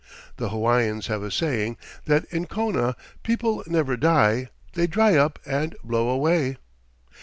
The Hawaiians have a saying that in Kona "people never die; they dry up and blow away."